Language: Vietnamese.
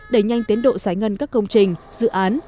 đẩy nhanh tiến độ sái ngân các công trình dự án